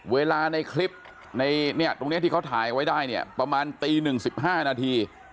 เวลาในคลิปในตรงนี้ที่เขาถ่ายไว้ได้เนี่ยประมาณตี๑๑๕นาที